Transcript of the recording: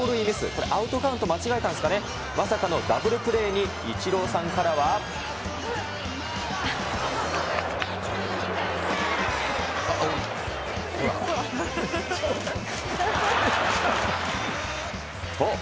これ、アウトカウントを間違えたんですかね、まさかのダブルプレーに、イチローさんからは。すみません。